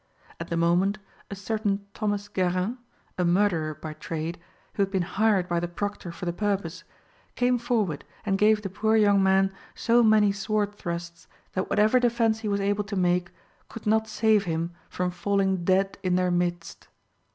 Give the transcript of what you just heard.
At the moment, a certain Thomas Guérin, a murderer by trade, who had been hired by the Proctor for the purpose, came forward and gave the poor young man so many sword thrusts that whatever defence he was able to make could not save him from falling dead in their midst.